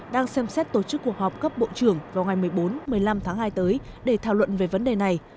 đang xem xét tổ chức cuộc họp cấp bộ trưởng vào ngày một mươi bốn một mươi năm tháng hai tới để thảo luận về vấn đề này